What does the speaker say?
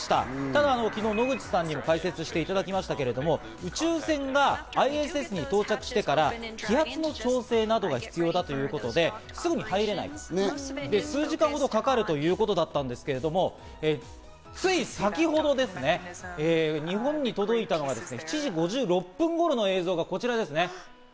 ただ昨日、野口さんに解説していただきましたけれども、宇宙船がＩＳＳに到着してから気圧の調整などが必要ということで、すぐにはいらない、数時間ほどかかるということだったんですけど、つい先程ですね、日本に届いたのが７時５６分頃の映像がこちらですね。